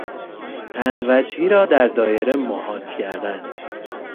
چند وجهی را در دایره محاط کردن